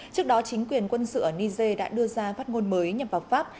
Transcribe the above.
trước đó chính quyền quân sự ở niger đã đưa ra phát ngôn mới nhằm vào pháp